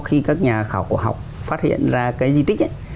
thì người ta đi tìm